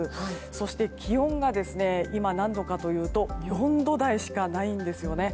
そして気温が今何度かというと４度台しかないんですよね。